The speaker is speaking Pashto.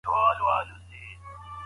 کشکي زه تلای سوای .